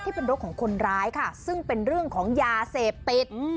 เป็นรถของคนร้ายค่ะซึ่งเป็นเรื่องของยาเสพติด